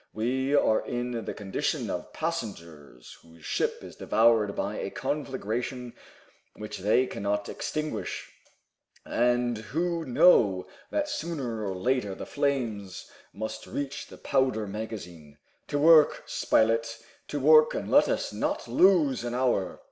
We are in the condition of passengers whose ship is devoured by a conflagration which they cannot extinguish, and who know that sooner or later the flames must reach the powder magazine. To work, Spilett, to work, and let us not lose an hour!"